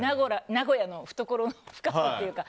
名古屋の懐の深さというか。